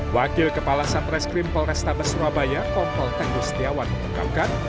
wakil kepala satreskrim tol restabel surabaya kompol tenggu setiawan menekankan